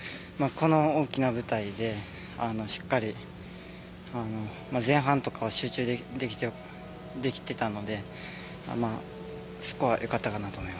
この大きな舞台でしっかり前半とかは集中できてたのでまあそこはよかったかなと思います。